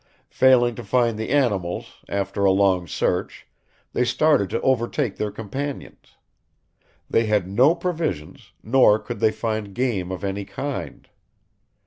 Failing to find the animals, after a long search, they started to overtake their companions. They had no provisions, nor could they find game of any kind.